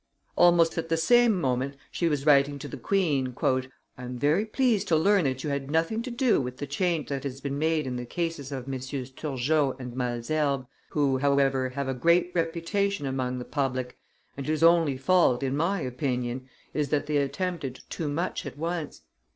Almost at the same moment she was writing to the queen "I am very pleased to learn that you had nothing to do with the change that has been made in the cases of MM. Turgot and Malesherbes, who, however, have a great reputation among the public and whose only fault, in my opinion, is that they attempted too much at once.